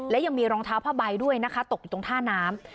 และยังมีรองเท้าผ้าใบด้วยนะคะตกอยู่ตรงท่าน้ำ